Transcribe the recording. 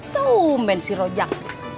tuh main si rojak